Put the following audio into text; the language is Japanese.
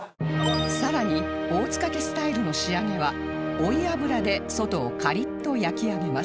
さらに大塚家スタイルの仕上げは追い油で外をカリッと焼き上げます